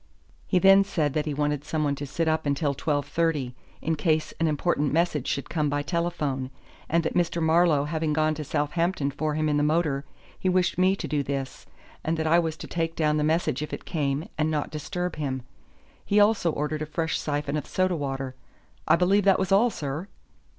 He then said that he wanted someone to sit up until twelve thirty, in case an important message should come by telephone, and that Mr. Marlowe having gone to Southampton for him in the motor, he wished me to do this, and that I was to take down the message if it came, and not disturb him. He also ordered a fresh syphon of soda water. I believe that was all, sir."